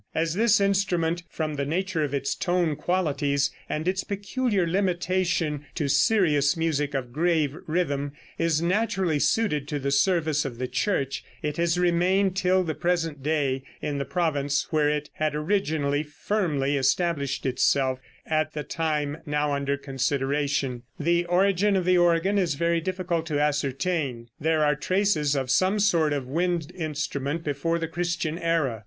As this instrument, from the nature of its tone qualities and its peculiar limitation to serious music of grave rhythm, is naturally suited to the service of the Church, it has remained till the present day in the province where it had already firmly established itself at the time now under consideration. The origin of the organ is very difficult to ascertain. There are traces of some sort of wind instrument before the Christian era.